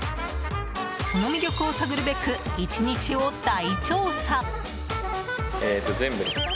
その魅力を探るべく１日を大調査。